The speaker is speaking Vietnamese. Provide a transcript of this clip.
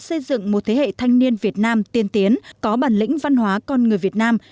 xây dựng một thế hệ thanh niên việt nam tiên tiến có bản lĩnh văn hóa con người việt nam